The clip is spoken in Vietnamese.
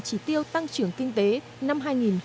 chỉ tiêu tăng trưởng kinh tế năm hai nghìn hai mươi